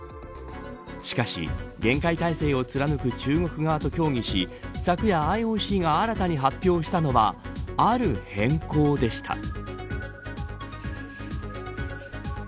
しかし、厳戒態勢を貫く中国側と協議し昨夜ＩＯＣが新たに発表したのはある変更でした。